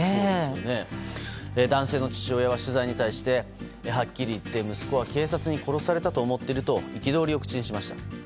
男性の父親は取材に対してはっきり言って息子は警察に殺されたと思っていると憤りを口にしました。